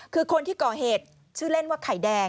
คือคนที่ก่อเหตุชื่อเล่นว่าไข่แดง